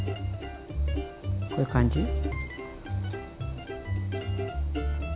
こういう感じ？